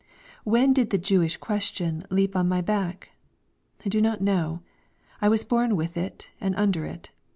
When did the "Jewish question" leap on my back? I do not know. I was born with it and under it.